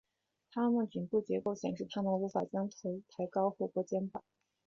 它们颈部结构显示它们无法将头部高抬过肩膀。